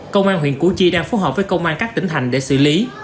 công an huyện củ chi đang phối hợp với công an các tỉnh thành để xử lý